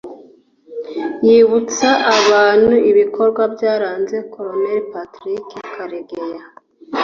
yibutsa abantu ibikorwa byaranze Col Patrick Karegeya